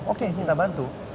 oke kita bantu